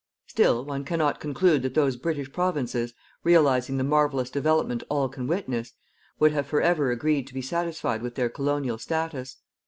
Still, one cannot conclude that those British provinces, realizing the marvellous development all can witness, would have for ever agreed to be satisfied with their colonial status.